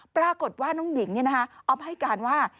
ปรากฏว่าน้องหญิงเนี่ยนะคะอบให้การว่า